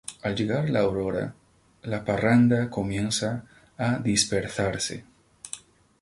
Al llegar la aurora la parranda comienza a dispersarse.